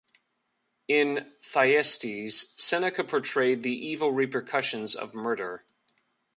In "Thyestes", Seneca portrayed the evil repercussions of murder.